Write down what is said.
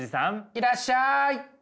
いらっしゃい。